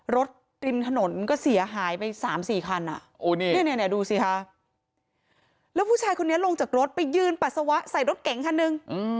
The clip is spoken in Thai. ริมถนนก็เสียหายไป๓๔คันดูสิคะแล้วผู้ชายคนนี้ลงจากรถไปยืนปัสสาวะใส่รถเก๋งคันหนึ่ง